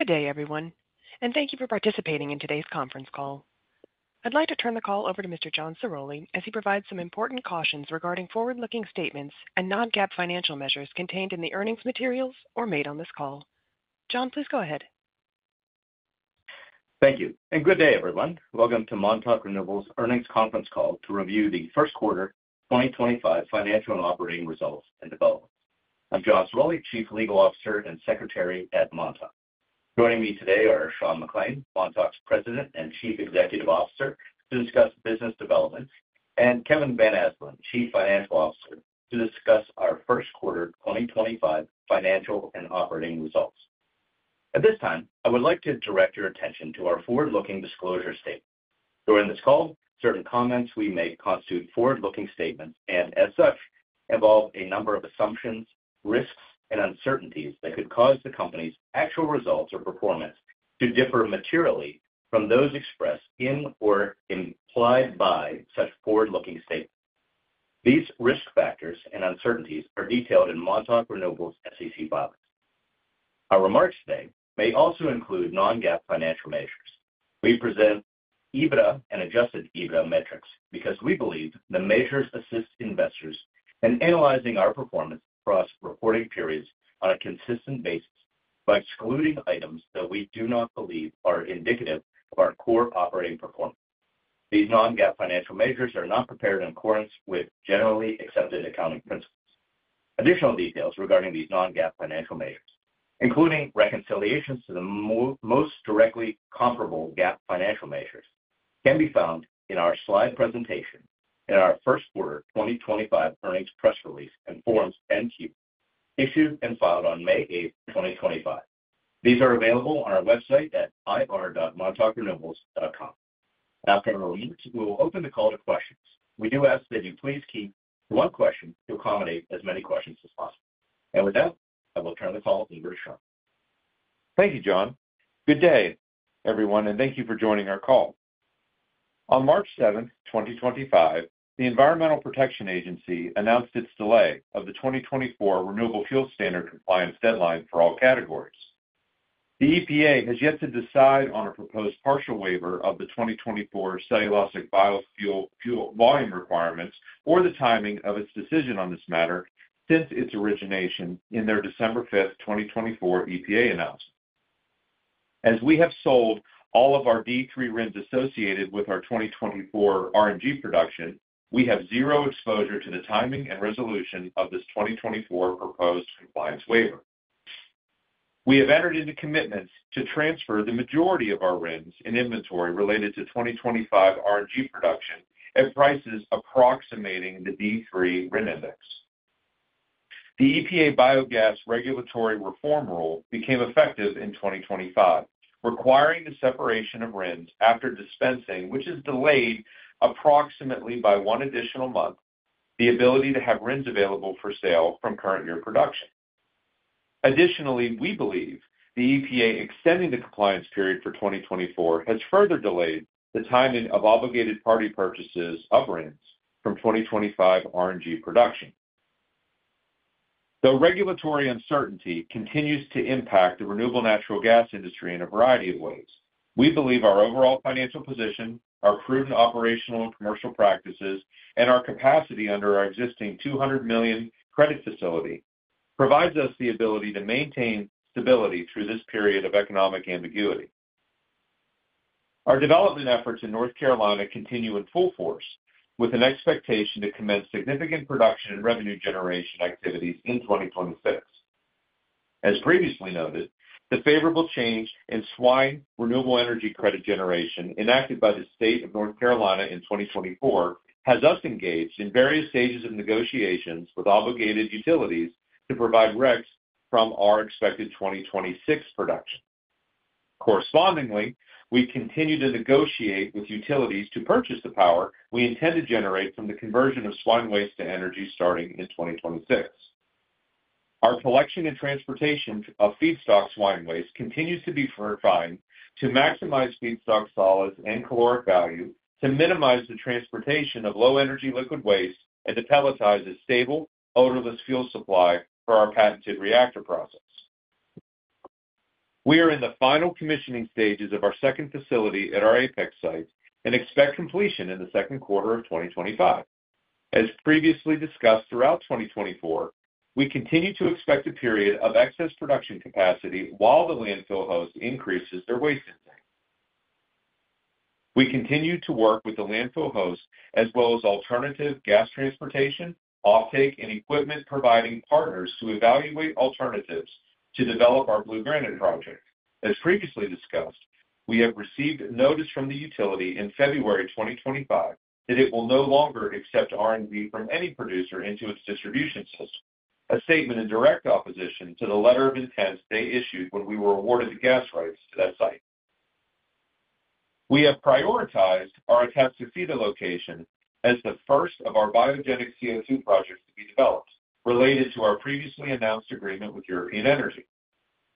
Good day, everyone, and thank you for participating in today's conference call. I'd like to turn the call over to Mr. John Ciroli as he provides some important cautions regarding forward-looking statements and non-GAAP financial measures contained in the earnings materials or made on this call. John, please go ahead. Thank you, and good day, everyone. Welcome to Montauk Renewables' earnings conference call to review the first quarter 2025 financial and operating results and developments. I'm John Ciroli, Chief Legal Officer and Secretary at Montauk. Joining me today are Sean McClain, Montauk's President and Chief Executive Officer, to discuss business development, and Kevin Van Asdalan, Chief Financial Officer, to discuss our first quarter 2025 financial and operating results. At this time, I would like to direct your attention to our forward-looking disclosure statements. During this call, certain comments we make constitute forward-looking statements and, as such, involve a number of assumptions, risks, and uncertainties that could cause the company's actual results or performance to differ materially from those expressed in or implied by such forward-looking statements. These risk factors and uncertainties are detailed in Montauk Renewables' SEC filings. Our remarks today may also include non-GAAP financial measures. We present EBITDA and adjusted EBITDA metrics because we believe the measures assist investors in analyzing our performance across reporting periods on a consistent basis by excluding items that we do not believe are indicative of our core operating performance. These non-GAAP financial measures are not prepared in accordance with generally accepted accounting principles. Additional details regarding these non-GAAP financial measures, including reconciliations to the most directly comparable GAAP financial measures, can be found in our slide presentation in our first quarter 2025 earnings press release and Form 10-Q issued and filed on May 8, 2025. These are available on our website at ir.montaukrenewables.com. After a few minutes, we will open the call to questions. We do ask that you please keep one question to accommodate as many questions as possible. With that, I will turn the call over to Sean. Thank you, John. Good day, everyone, and thank you for joining our call. On March 7, 2025, the Environmental Protection Agency announced its delay of the 2024 Renewable Fuel Standard compliance deadline for all categories. The EPA has yet to decide on a proposed partial waiver of the 2024 cellulosic biofuel volume requirements or the timing of its decision on this matter since its origination in their December 5, 2024 EPA announcement. As we have sold all of our D3 RINs associated with our 2024 RNG production, we have zero exposure to the timing and resolution of this 2024 proposed compliance waiver. We have entered into commitments to transfer the majority of our RINs in inventory related to 2025 RNG production at prices approximating the D3 RIN index. The EPA Biogas Regulatory Reform Rule became effective in 2025, requiring the separation of RINs after dispensing, which has delayed by approximately one additional month the ability to have RINs available for sale from current year production. Additionally, we believe the EPA extending the compliance period for 2024 has further delayed the timing of obligated party purchases of RINs from 2025 RNG production. Though regulatory uncertainty continues to impact the renewable natural gas industry in a variety of ways, we believe our overall financial position, our prudent operational and commercial practices, and our capacity under our existing $200 million credit facility provide us the ability to maintain stability through this period of economic ambiguity. Our development efforts in North Carolina continue in full force with an expectation to commence significant production and revenue generation activities in 2026. As previously noted, the favorable change in swine renewable energy credit generation enacted by the State of North Carolina in 2024 has us engaged in various stages of negotiations with obligated utilities to provide RECs from our expected 2026 production. Correspondingly, we continue to negotiate with utilities to purchase the power we intend to generate from the conversion of swine waste to energy starting in 2026. Our collection and transportation of feedstock swine waste continues to be refined to maximize feedstock solids and caloric value to minimize the transportation of low-energy liquid waste and to pelletize a stable, odorless fuel supply for our patented reactor process. We are in the final commissioning stages of our second facility at our Apex site and expect completion in the second quarter of 2025. As previously discussed throughout 2024, we continue to expect a period of excess production capacity while the landfill host increases their waste intake. We continue to work with the landfill host as well as alternative gas transportation, offtake, and equipment providing partners to evaluate alternatives to develop our Blue Granite project. As previously discussed, we have received notice from the utility in February 2025 that it will no longer accept RNG from any producer into its distribution system, a statement in direct opposition to the letter of intent they issued when we were awarded the gas rights to that site. We have prioritized our attempts to see the location as the first of our biogenic CO2 projects to be developed related to our previously announced agreement with European Energy.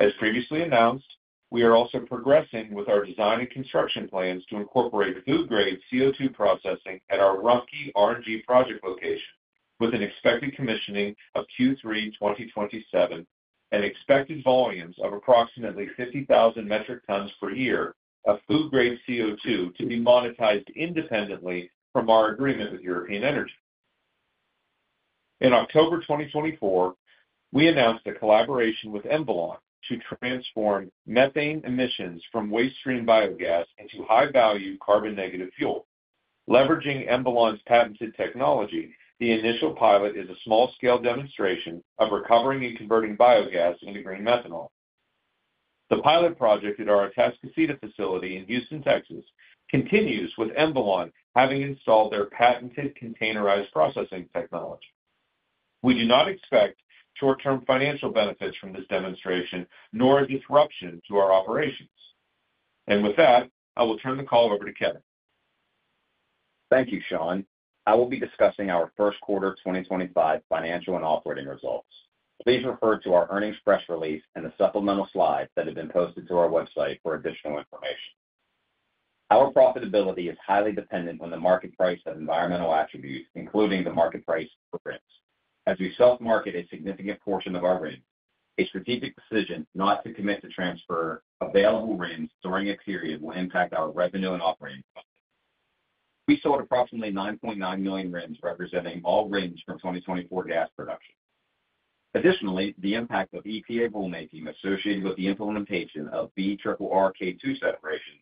As previously announced, we are also progressing with our design and construction plans to incorporate food-grade CO2 processing at our Rumpke RNG project location with an expected commissioning of Q3 2027 and expected volumes of approximately 50,000 metric tons per year of food-grade CO2 to be monetized independently from our agreement with European Energy. In October 2024, we announced a collaboration with Envolon to transform methane emissions from waste stream biogas into high-value carbon-negative fuel. Leveraging Envolon's patented technology, the initial pilot is a small-scale demonstration of recovering and converting biogas into green methanol. The pilot project at our Atascocita facility in Houston, Texas, continues with Envolon having installed their patented containerized processing technology. We do not expect short-term financial benefits from this demonstration nor a disruption to our operations. I will turn the call over to Kevin. Thank you, Sean. I will be discussing our first quarter 2025 financial and operating results. Please refer to our earnings press release and the supplemental slides that have been posted to our website for additional information. Our profitability is highly dependent on the market price of environmental attributes, including the market price for RINs. As we self-market a significant portion of our RINs, a strategic decision not to commit to transfer available RINs during a period will impact our revenue and operating costs. We sold approximately 9.9 million RINs, representing all RINs from 2024 gas production. Additionally, the impact of EPA rulemaking associated with the implementation of BRRR K2 separation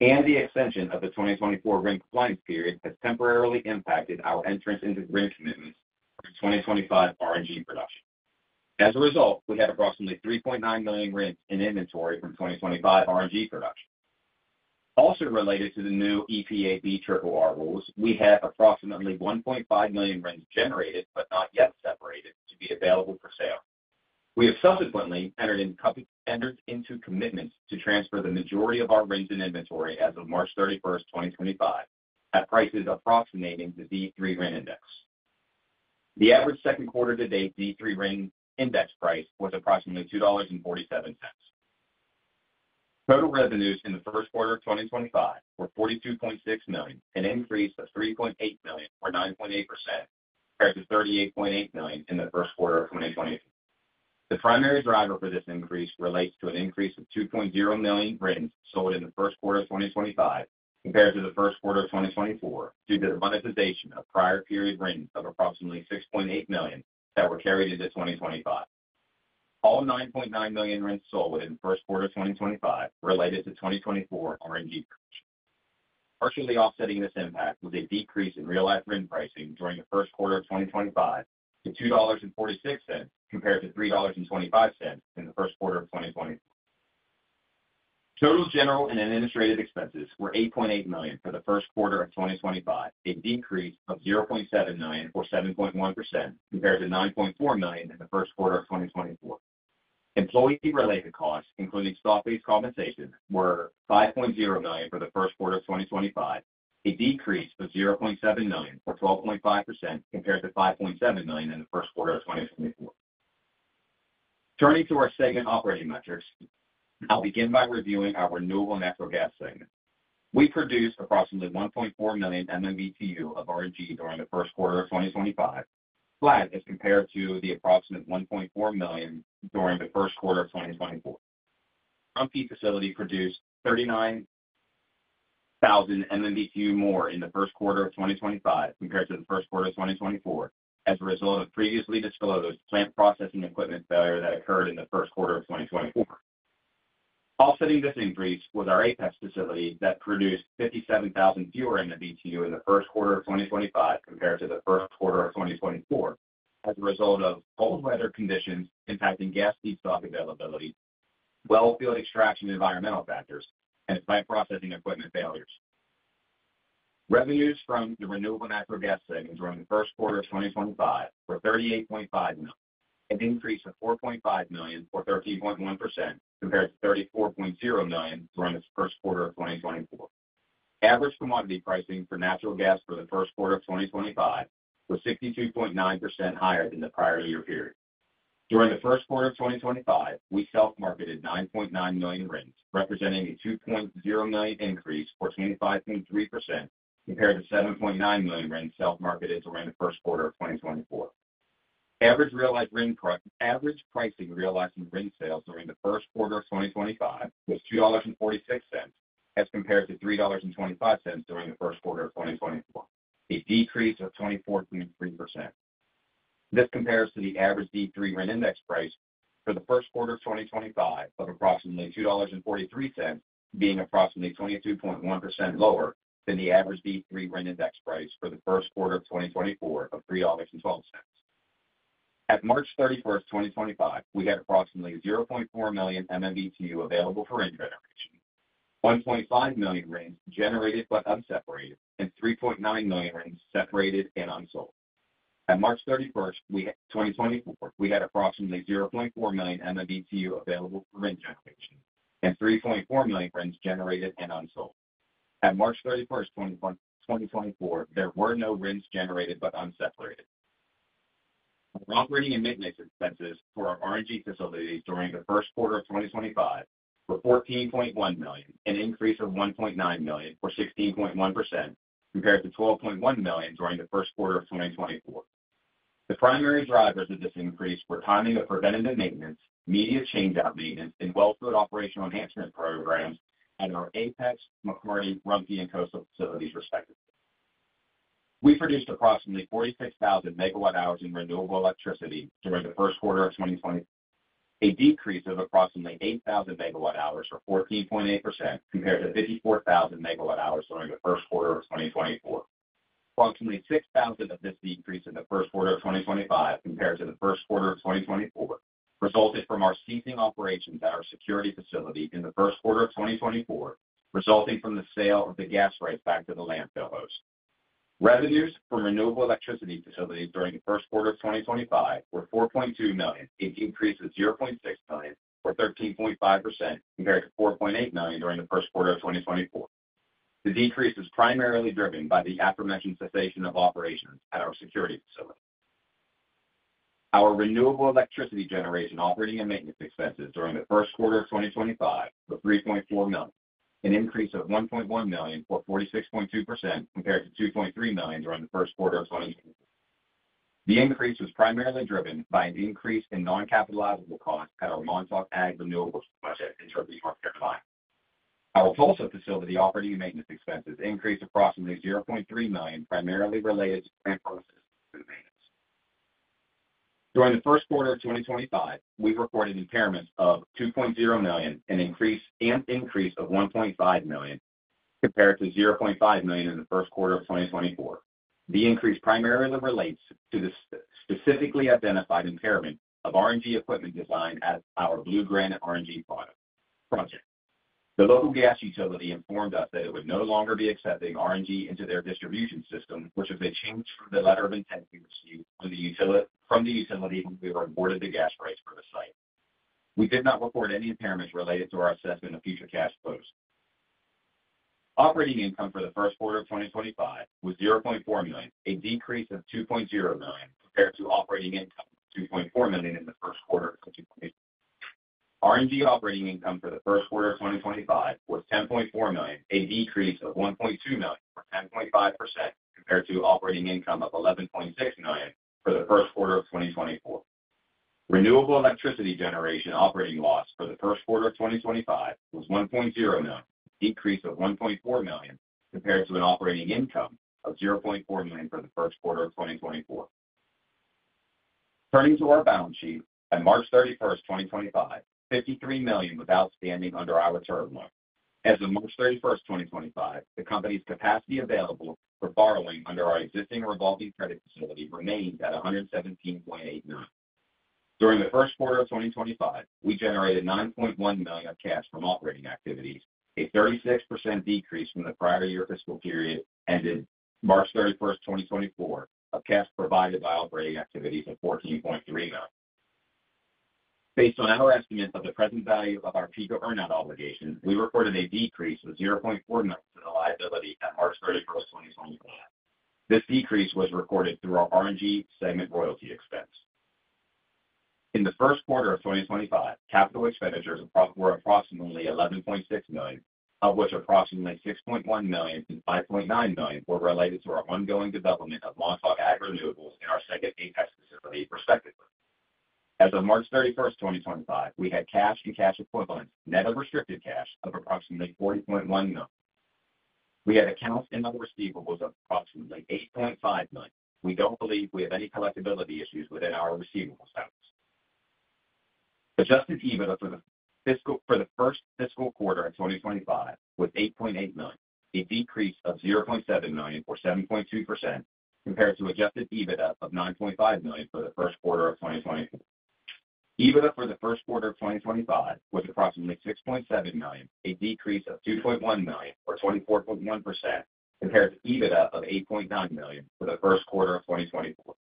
and the extension of the 2024 RIN compliance period has temporarily impacted our entrance into RIN commitments for 2025 RNG production. As a result, we have approximately 3.9 million RINs in inventory from 2025 RNG production. Also related to the new EPA BRRR rules, we have approximately 1.5 million RINs generated but not yet separated to be available for sale. We have subsequently entered into commitments to transfer the majority of our RINs in inventory as of March 31, 2025, at prices approximating the D3 RIN index. The average second quarter-to-date D3 RIN index price was approximately $2.47. Total revenues in the first quarter of 2025 were $42.6 million, an increase of $3.8 million or 9.8% compared to $38.8 million in the first quarter of 2023. The primary driver for this increase relates to an increase of $2.0 million RINs sold in the first quarter of 2025 compared to the first quarter of 2024 due to the monetization of prior period RINs of approximately $6.8 million that were carried into 2025. All $9.9 million RINs sold in the first quarter of 2025 related to 2024 RNG production. Partially offsetting this impact was a decrease in realized RIN pricing during the first quarter of 2025 to $2.46 compared to $3.25 in the first quarter of 2024. Total general and administrative expenses were $8.8 million for the first quarter of 2025, a decrease of $0.7 million or 7.1% compared to $9.4 million in the first quarter of 2024. Employee-related costs, including stock-based compensation, were $5.0 million for the first quarter of 2025, a decrease of $0.7 million or 12.5% compared to $5.7 million in the first quarter of 2024. Turning to our segment operating metrics, I'll begin by reviewing our renewable natural gas segment. We produced approximately 1.4 million MMBtu of RNG during the first quarter of 2025, flat as compared to the approximate 1.4 million during the first quarter of 2024. Rumpke facility produced 39,000 MMBtu more in the first quarter of 2025 compared to the first quarter of 2024 as a result of previously disclosed plant processing equipment failure that occurred in the first quarter of 2024. Offsetting this increase was our Apex facility that produced 57,000 fewer MMBtu in the first quarter of 2025 compared to the first quarter of 2024 as a result of cold weather conditions impacting gas feedstock availability, well field extraction environmental factors, and plant processing equipment failures. Revenues from the renewable natural gas segment during the first quarter of 2025 were $38.5 million, an increase of $4.5 million or 13.1% compared to $34.0 million during the first quarter of 2024. Average commodity pricing for natural gas for the first quarter of 2025 was 62.9% higher than the prior year period. During the first quarter of 2025, we self-marketed 9.9 million RINs, representing a 2.0 million increase or 25.3% compared to 7.9 million RINs self-marketed during the first quarter of 2024. Average realized RIN pricing in RIN sales during the first quarter of 2025 was $2.46 as compared to $3.25 during the first quarter of 2024, a decrease of 24.3%. This compares to the average D3 RIN index price for the first quarter of 2025 of approximately $2.43, being approximately 22.1% lower than the average D3 RIN index price for the first quarter of 2024 of $3.12. At March 31, 2025, we had approximately 0.4 million MMBtu available for RIN generation, 1.5 million RINs generated but unseparated, and 3.9 million RINs separated and unsold. At March 31, 2024, we had approximately 0.4 million MMBtu available for RIN generation and 3.4 million RINs generated and unsold. At March 31, 2024, there were no RINs generated but unseparated. Our operating and maintenance expenses for our RNG facilities during the first quarter of 2024 were $14.1 million, an increase of $1.9 million or 16.1% compared to $12.1 million during the first quarter of 2023. The primary drivers of this increase were timing of preventative maintenance, media change-out maintenance, and well-fluid operational enhancement programs at our Apex, McCarty, Rumpke, and Atascocita facilities, respectively. We produced approximately 46,000 megawatt-hours in renewable electricity during the first quarter of 2024, a decrease of approximately 8,000 megawatt-hours or 14.8% compared to 54,000 megawatt-hours during the first quarter of 2023. Approximately 6,000 of this decrease in the first quarter of 2025 compared to the first quarter of 2024 resulted from our ceasing operations at our Security facility in the first quarter of 2024, resulting from the sale of the gas rights back to the landfill host. Revenues from renewable electricity facilities during the first quarter of 2025 were $4.2 million, a decrease of $0.6 million or 13.5% compared to $4.8 million during the first quarter of 2024. The decrease is primarily driven by the aforementioned cessation of operations at our Security facility. Our renewable electricity generation operating and maintenance expenses during the first quarter of 2025 were $3.4 million, an increase of $1.1 million or 46.2% compared to $2.3 million during the first quarter of 2024. The increase was primarily driven by an increase in non-capitalizable costs at our Montauk Ag Renewables project in Turkey, North Carolina. Our Atascocita facility operating and maintenance expenses increased approximately $0.3 million, primarily related to plant processing equipment maintenance. During the first quarter of 2025, we recorded impairments of $2.0 million and an increase of $1.5 million compared to $0.5 million in the first quarter of 2024. The increase primarily relates to the specifically identified impairment of RNG equipment design at our Blue Granite RNG project. The local gas utility informed us that it would no longer be accepting RNG into their distribution system, which was a change from the letter of intent we received from the utility when we reported the gas rights for the site. We did not report any impairments related to our assessment of future cash flows. Operating income for the first quarter of 2025 was $0.4 million, a decrease of $2.0 million compared to operating income of $2.4 million in the first quarter of 2024. RNG operating income for the first quarter of 2025 was $10.4 million, a decrease of $1.2 million or 10.5% compared to operating income of $11.6 million for the first quarter of 2024. Renewable electricity generation operating loss for the first quarter of 2025 was $1.0 million, a decrease of $1.4 million compared to an operating income of $0.4 million for the first quarter of 2024. Turning to our balance sheet, at March 31, 2025, $53 million was outstanding under our term loan. As of March 31, 2025, the company's capacity available for borrowing under our existing revolving credit facility remains at $117.89 million. During the first quarter of 2025, we generated $9.1 million of cash from operating activities, a 36% decrease from the prior year fiscal period ended March 31, 2024, of cash provided by operating activities of $14.3 million. Based on our estimates of the present value of our Pico earn-out obligations, we reported a decrease of $0.4 million to the liability at March 31, 2024. This decrease was recorded through our RNG segment royalty expense. In the first quarter of 2025, capital expenditures were approximately $11.6 million, of which approximately $6.1 million and $5.9 million were related to our ongoing development of Montauk Ag Renewables and our second Apex facility, respectively. As of March 31, 2025, we had cash and cash equivalents, net unrestricted cash of approximately $40.1 million. We had accounts and other receivables of approximately $8.5 million. We don't believe we have any collectibility issues within our receivables balance. Adjusted EBITDA for the first fiscal quarter of 2025 was $8.8 million, a decrease of $0.7 million or 7.2% compared to adjusted EBITDA of $9.5 million for the first quarter of 2024. EBITDA for the first quarter of 2025 was approximately $6.7 million, a decrease of $2.1 million or 24.1% compared to EBITDA of $8.9 million for the first quarter of 2024.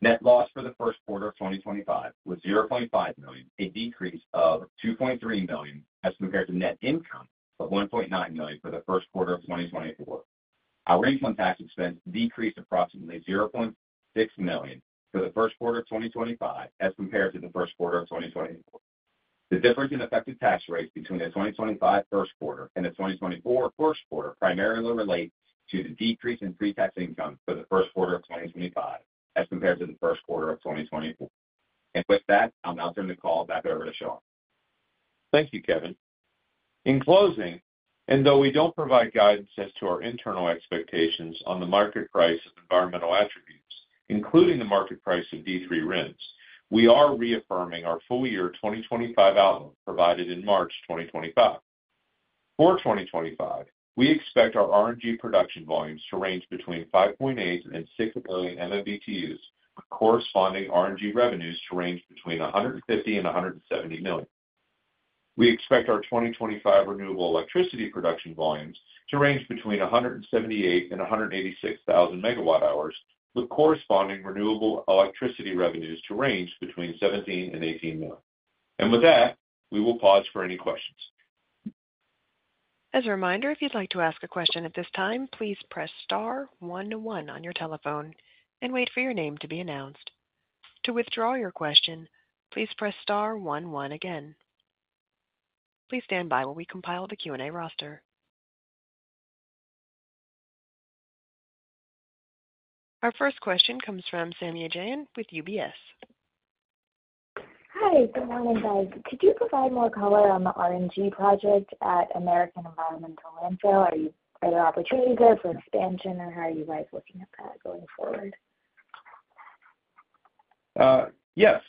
Net loss for the first quarter of 2025 was $0.5 million, a decrease of $2.3 million as compared to net income of $1.9 million for the first quarter of 2024. Our income tax expense decreased approximately $0.6 million for the first quarter of 2025 as compared to the first quarter of 2024. The difference in effective tax rates between the 2025 first quarter and the 2024 first quarter primarily relates to the decrease in pre-tax income for the first quarter of 2025 as compared to the first quarter of 2024. I'll now turn the call back over to Sean. Thank you, Kevin. In closing, and though we do not provide guidance as to our internal expectations on the market price of environmental attributes, including the market price of D3 RINs, we are reaffirming our full year 2025 outlook provided in March 2025. For 2025, we expect our RNG production volumes to range between 5.8 and 6 million MMBtus, with corresponding RNG revenues to range between $150 million and $170 million. We expect our 2025 renewable electricity production volumes to range between 178,000 and 186,000 megawatt-hours, with corresponding renewable electricity revenues to range between $17 million and $18 million. With that, we will pause for any questions. As a reminder, if you would like to ask a question at this time, please press star one one on your telephone and wait for your name to be announced. To withdraw your question, please press star one one again. Please stand by while we compile the Q&A roster. Our first question comes from Saumya Jain with UBS. Hi, good morning, guys. Could you provide more color on the RNG project at American Environmental Landfill? Are there opportunities there for expansion, or how are you guys looking at that going forward? Yes.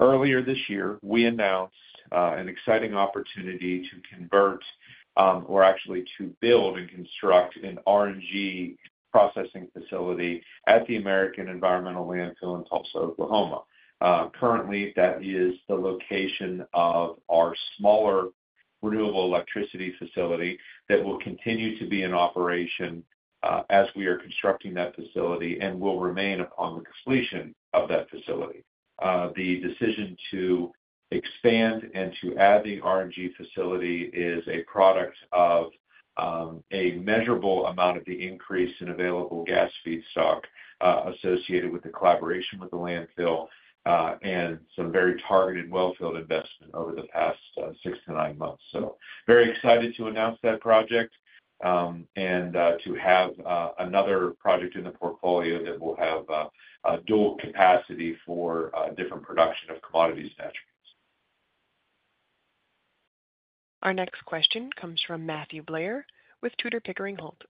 Earlier this year, we announced an exciting opportunity to convert or actually to build and construct an RNG processing facility at the American Environmental Landfill in Tulsa, Oklahoma. Currently, that is the location of our smaller renewable electricity facility that will continue to be in operation as we are constructing that facility and will remain upon the completion of that facility. The decision to expand and to add the RNG facility is a product of a measurable amount of the increase in available gas feedstock associated with the collaboration with the landfill and some very targeted wellfield investment over the past six to nine months. Very excited to announce that project and to have another project in the portfolio that will have dual capacity for different production of commodities and attributes. Our next question comes from Matthew Blair with Tudor, Pickering, Holt.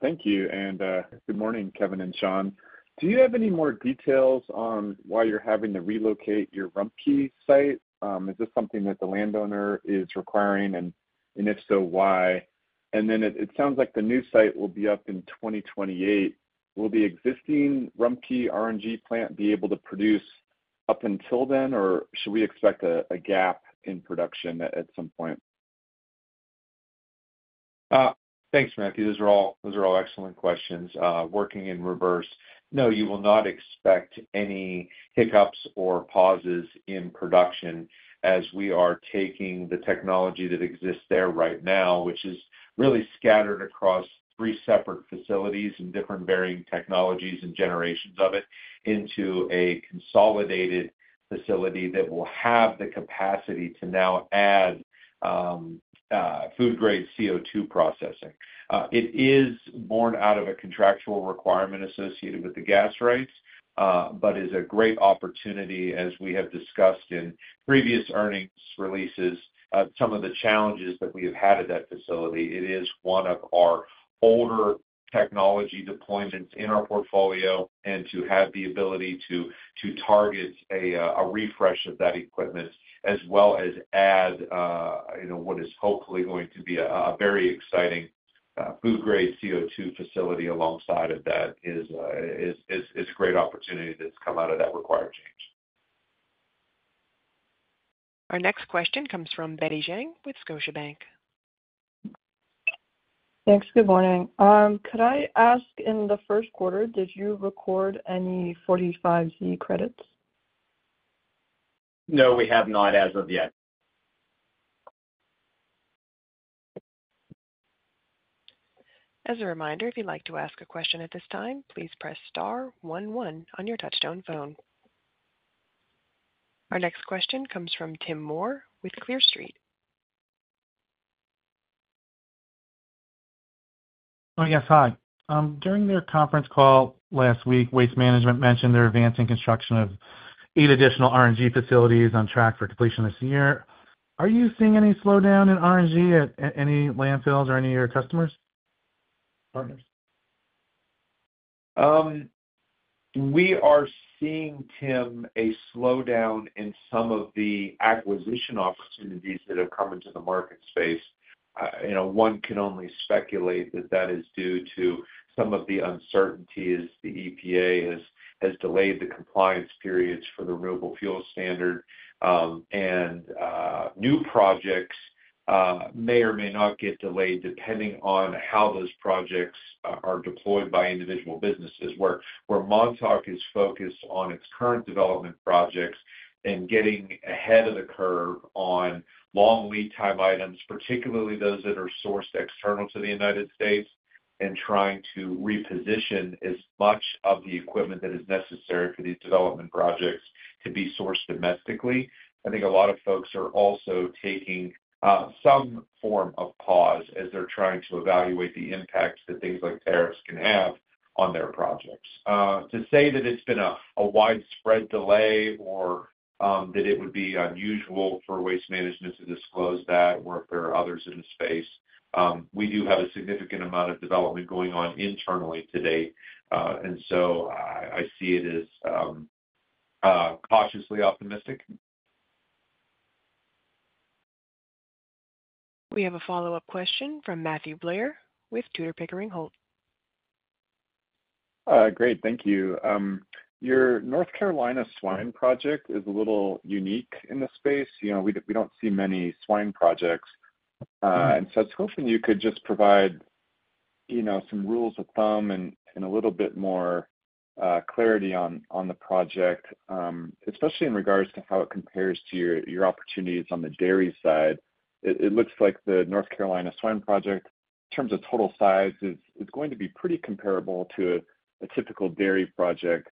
Thank you. Good morning, Kevin and Sean. Do you have any more details on why you're having to relocate your Rumpke site? Is this something that the landowner is requiring, and if so, why? It sounds like the new site will be up in 2028. Will the existing Rumpke RNG plant be able to produce up until then, or should we expect a gap in production at some point? Thanks, Matthew. Those are all excellent questions. Working in reverse, no, you will not expect any hiccups or pauses in production as we are taking the technology that exists there right now, which is really scattered across three separate facilities and different varying technologies and generations of it, into a consolidated facility that will have the capacity to now add food-grade CO2 processing. It is born out of a contractual requirement associated with the gas rights, but is a great opportunity, as we have discussed in previous earnings releases, some of the challenges that we have had at that facility. It is one of our older technology deployments in our portfolio, and to have the ability to target a refresh of that equipment as well as add what is hopefully going to be a very exciting food-grade CO2 facility alongside of that is a great opportunity that's come out of that required change. Our next question comes from Betty Zhang with Scotiabank. Thanks. Good morning. Could I ask, in the first quarter, did you record any 45Z credits? No, we have not as of yet. As a reminder, if you'd like to ask a question at this time, please press star one one on your touchstone phone. Our next question comes from Tim Moore with Clear Street. Hi, yes, hi. During their conference call last week, Waste Management mentioned they're advancing construction of eight additional RNG facilities on track for completion this year. Are you seeing any slowdown in RNG at any landfills or any of your customers, partners? We are seeing, Tim, a slowdown in some of the acquisition opportunities that have come into the market space. One can only speculate that that is due to some of the uncertainties. The EPA has delayed the compliance periods for the Renewable Fuel Standard, and new projects may or may not get delayed depending on how those projects are deployed by individual businesses, where Montauk is focused on its current development projects and getting ahead of the curve on long lead time items, particularly those that are sourced external to the United States, and trying to reposition as much of the equipment that is necessary for these development projects to be sourced domestically. I think a lot of folks are also taking some form of pause as they're trying to evaluate the impact that things like tariffs can have on their projects. To say that it's been a widespread delay or that it would be unusual for Waste Management to disclose that, or if there are others in the space, we do have a significant amount of development going on internally today. I see it as cautiously optimistic. We have a follow-up question from Matthew Blair with Tudor, Pickering, Holt. Great. Thank you. Your North Carolina swine project is a little unique in the space. We do not see many swine projects. I was hoping you could just provide some rules of thumb and a little bit more clarity on the project, especially in regards to how it compares to your opportunities on the dairy side. It looks like the North Carolina swine project, in terms of total size, is going to be pretty comparable to a typical dairy project.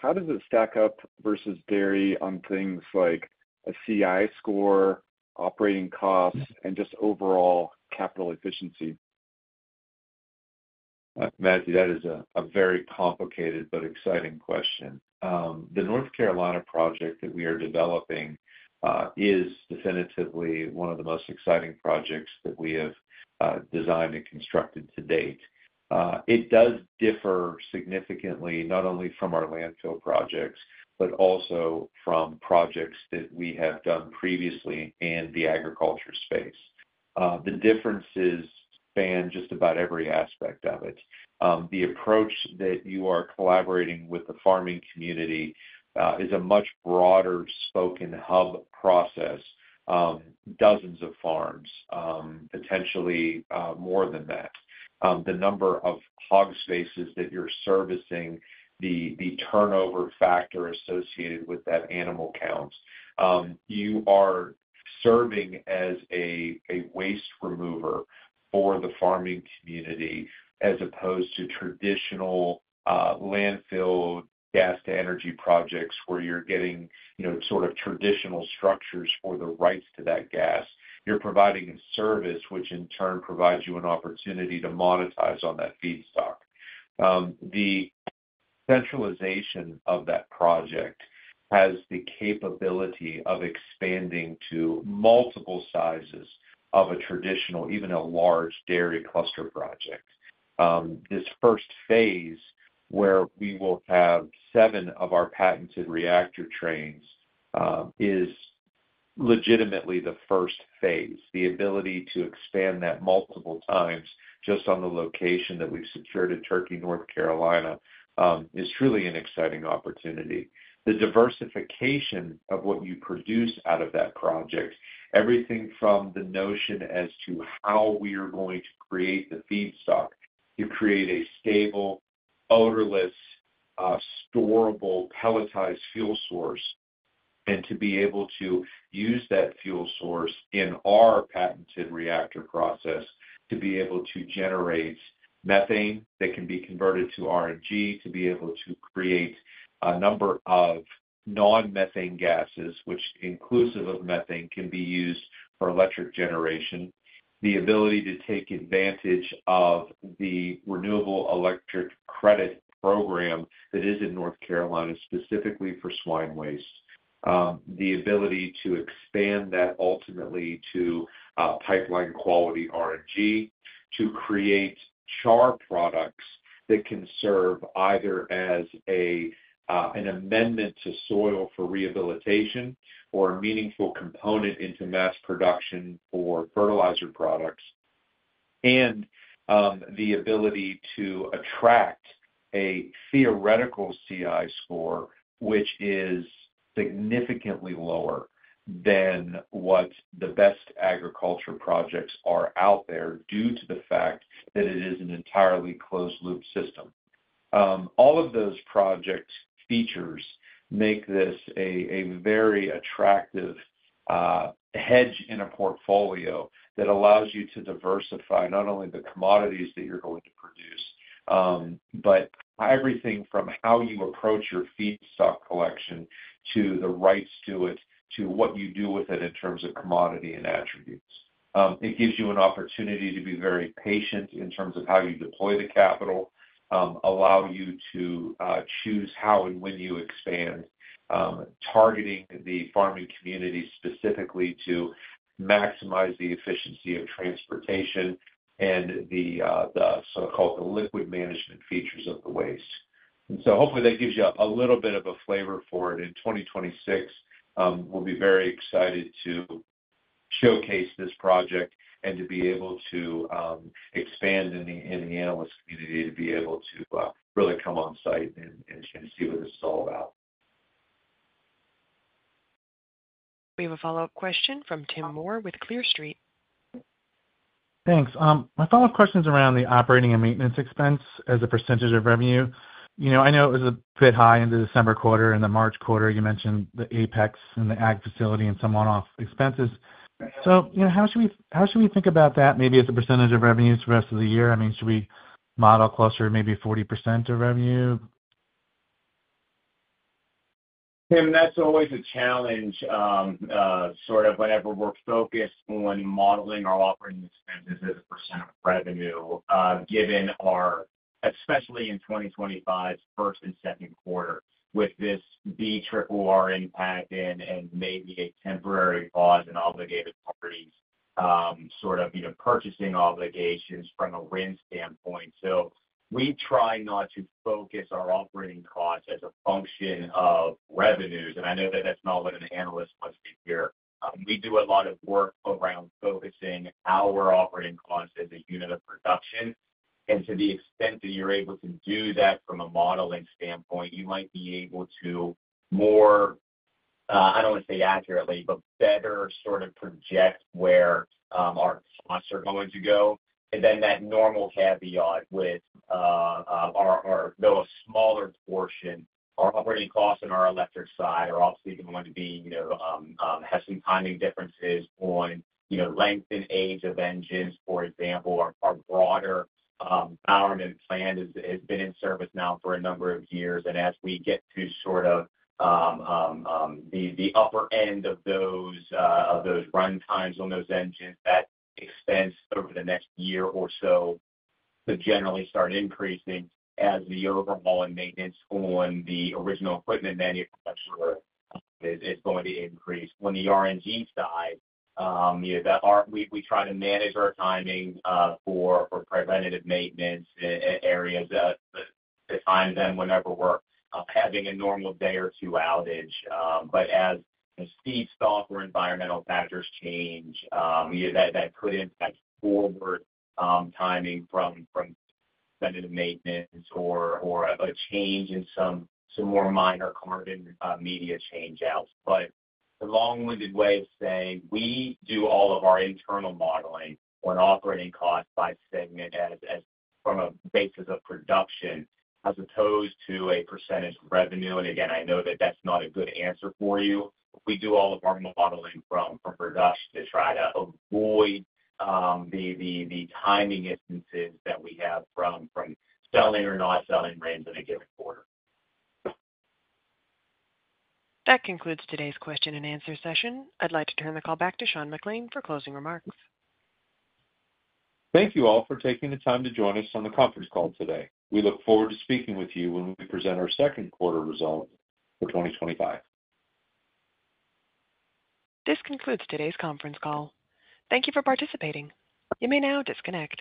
How does it stack up versus dairy on things like a CI score, operating costs, and just overall capital efficiency? Matthew, that is a very complicated but exciting question. The North Carolina project that we are developing is definitively one of the most exciting projects that we have designed and constructed to date. It does differ significantly not only from our landfill projects, but also from projects that we have done previously in the agriculture space. The differences span just about every aspect of it. The approach that you are collaborating with the farming community is a much broader spoken hub process, dozens of farms, potentially more than that. The number of hog spaces that you're servicing, the turnover factor associated with that animal count. You are serving as a waste remover for the farming community as opposed to traditional landfill gas-to-energy projects where you're getting sort of traditional structures for the rights to that gas. You're providing a service which, in turn, provides you an opportunity to monetize on that feedstock. The centralization of that project has the capability of expanding to multiple sizes of a traditional, even a large dairy cluster project. This first phase, where we will have seven of our patented reactor trains, is legitimately the first phase. The ability to expand that multiple times just on the location that we've secured in Turkey, North Carolina, is truly an exciting opportunity. The diversification of what you produce out of that project, everything from the notion as to how we are going to create the feedstock to create a stable, odorless, storable pelletized fuel source, and to be able to use that fuel source in our patented reactor process to be able to generate methane that can be converted to RNG, to be able to create a number of non-methane gases which, inclusive of methane, can be used for electric generation, the ability to take advantage of the renewable electric credit program that is in North Carolina specifically for swine waste, the ability to expand that ultimately to pipeline quality RNG, to create char products that can serve either as an amendment to soil for rehabilitation or a meaningful component into mass production for fertilizer products, and the ability to attract a theoretical CI score which is significantly lower than what the best agriculture projects are out there due to the fact that it is an entirely closed-loop system. All of those project features make this a very attractive hedge in a portfolio that allows you to diversify not only the commodities that you're going to produce, but everything from how you approach your feedstock collection to the rights to it to what you do with it in terms of commodity and attributes. It gives you an opportunity to be very patient in terms of how you deploy the capital, allow you to choose how and when you expand, targeting the farming community specifically to maximize the efficiency of transportation and the so-called liquid management features of the waste. Hopefully that gives you a little bit of a flavor for it. In 2026, we'll be very excited to showcase this project and to be able to expand in the analyst community to be able to really come on site and see what this is all about. We have a follow-up question from Tim Moore with Clear Street. Thanks. My follow-up question is around the operating and maintenance expense as a percentage of revenue. I know it was a bit high in the December quarter. In the March quarter, you mentioned the Apex and the ag facility and some one-off expenses. How should we think about that maybe as a percentage of revenue for the rest of the year? I mean, should we model closer to maybe 40% of revenue? Tim, that's always a challenge sort of whenever we're focused on modeling our operating expenses as a percent of revenue, given our especially in 2025's first and second quarter with this BRRR impact and maybe a temporary pause in obligated parties sort of purchasing obligations from a RIN standpoint. We try not to focus our operating costs as a function of revenues. I know that that's not what an analyst wants to hear. We do a lot of work around focusing our operating costs as a unit of production. To the extent that you're able to do that from a modeling standpoint, you might be able to more, I don't want to say accurately, but better sort of project where our costs are going to go. That normal caveat with our smaller portion, our operating costs on our electric side are obviously going to have some timing differences on length and age of engines, for example. Our broader Bowerman plant has been in service now for a number of years. As we get to sort of the upper end of those run times on those engines, that expense over the next year or so could generally start increasing as the overhaul and maintenance on the original equipment manufacturer is going to increase. On the RNG side, we try to manage our timing for preventative maintenance areas at the time then whenever we're having a normal day or two outage. As feedstock or environmental factors change, that could impact forward timing from preventative maintenance or a change in some more minor carbon media changeouts. The long-winded way of saying we do all of our internal modeling on operating costs by segment from a basis of production as opposed to a percentage of revenue. Again, I know that that's not a good answer for you. We do all of our modeling from production to try to avoid the timing instances that we have from selling or not selling RINs in a given quarter. That concludes today's question and answer session. I'd like to turn the call back to Sean McClain for closing remarks. Thank you all for taking the time to join us on the conference call today. We look forward to speaking with you when we present our second quarter results for 2025. This concludes today's conference call. Thank you for participating. You may now disconnect.